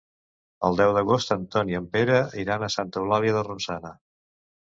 El deu d'agost en Ton i en Pere iran a Santa Eulàlia de Ronçana.